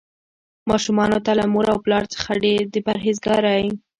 ماشومانو ته له مور او پلار څخه د پرهیزګارۍ.